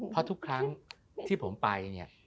เพราะทุกครั้งที่ผมไปเนี่ย